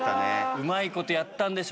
うまいことやったんでしょうか。